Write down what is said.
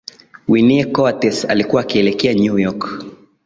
winnie coates alikuwa akielekea new york